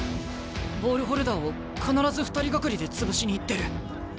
ボールホルダーを必ず２人がかりで潰しに行ってる。